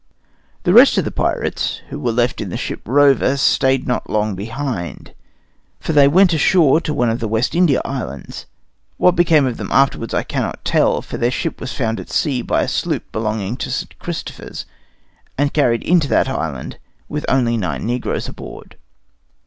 The rest of the pirates who were left in the ship Rover stayed not long behind, for they went ashore to one of the West India islands. What became of them afterwards I cannot tell, but the ship was found at sea by a sloop belonging to St. Christophers, and carried into that island with only nine negroes aboard.